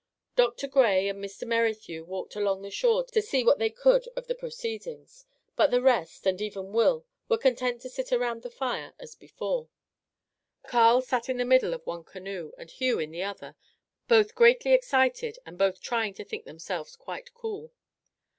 Doctor Grey and Mr. Merrithew walked along the shore to see what they could of the pro ceedings, but the rest — and even Will — were content to sit around the fire as before. Carl Our Little Canadian Cousin 67 sat in the middle of one canoe, and Hugh in the other, both greatly excited and both trying to think themselves quite cool.